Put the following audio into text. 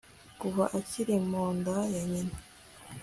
kuva akiri mu nda ya nyina